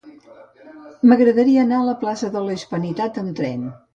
M'agradaria anar a la plaça de la Hispanitat amb tren.